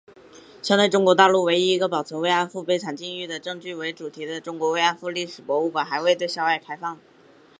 校内中国大陆唯一一个以保存“慰安妇”悲惨境遇证据为主题的中国“慰安妇”历史博物馆还未对校外开放。